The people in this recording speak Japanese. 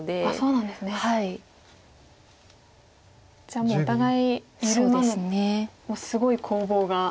じゃあもうお互い緩まぬすごい攻防が。